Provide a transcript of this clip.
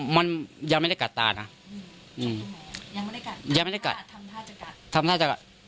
มันยังไม่ได้กัดตานะยังไม่ได้กัดทำท่าจะกัด